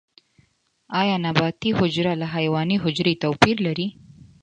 ایا نباتي حجره له حیواني حجرې توپیر لري؟